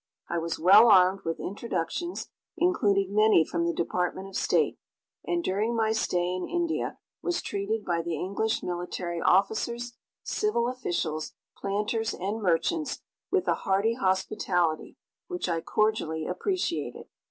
I was well armed with introductions, including many from the Department of State, and during my stay in India was treated by the English military officers, civil officials, planters and merchants with a hearty hospitality which I cordially appreciated.